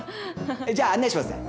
じゃあ案内しますね。